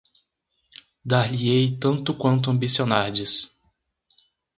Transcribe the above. Dar-lhe-ei tanto quanto ambicionardes